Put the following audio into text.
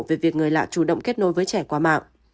về việc người lạ chủ động kết nối với trẻ qua mạng